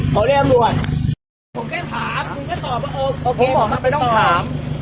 ผมแค่ถามคุณแค่ตอบว่าโอเคผมขอมันไปต้องถาม